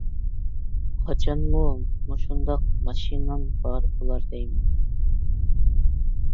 قاچانمۇ مۇشۇنداق ماشىنام بار بۇلار دەيمەن.